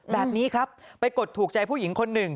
แบบนี้ครับไปกดถูกใจผู้หญิงคนหนึ่ง